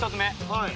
はい。